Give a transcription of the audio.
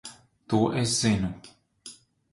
To es zinu.